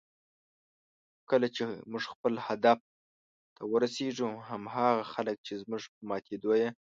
کله چې موږ خپل هدف ته ورسېږو، هماغه خلک چې زموږ په ماتېدو یې